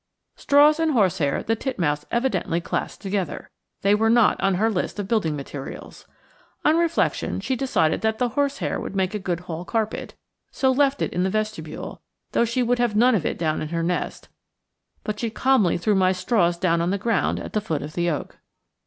Straws and horsehair the titmouse evidently classed together. They were not on her list of building materials. On reflection she decided that the horsehair would make a good hall carpet, so left it in the vestibule, though she would have none of it down in her nest; but she calmly threw my straws down on the ground at the foot of the oak.